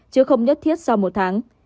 chứ không nhất thiết sau một tháng